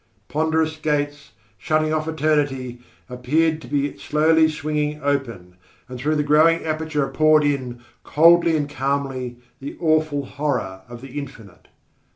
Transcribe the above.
Ponderous gates, shutting off eternity, appeared to be slowly swinging open, and through the growing aperture poured in, coldly and calmly, the awful horror of the Infinite.